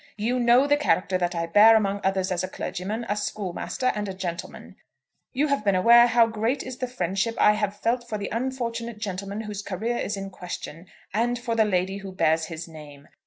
You know the character that I bear among others as a clergyman, a schoolmaster, and a gentleman. You have been aware how great is the friendship I have felt for the unfortunate gentleman whose career is in question, and for the lady who bears his name.